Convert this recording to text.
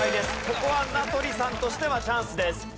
ここは名取さんとしてはチャンスです。